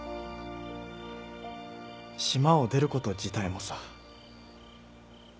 島を出ること自体もさ。